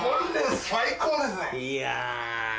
いや！